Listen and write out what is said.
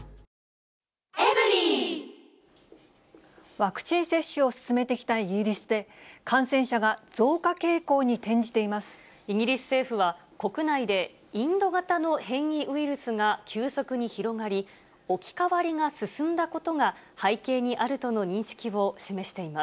ワクチン接種を進めてきたイギリスで、イギリス政府は、国内でインド型の変異ウイルスが急速に広がり、置き換わりが進んだことが、背景にあるとの認識を示していま